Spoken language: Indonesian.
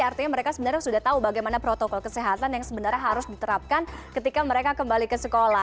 artinya mereka sebenarnya sudah tahu bagaimana protokol kesehatan yang sebenarnya harus diterapkan ketika mereka kembali ke sekolah